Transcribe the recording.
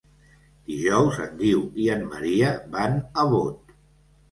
Dijous en Guiu i en Maria van a Bot.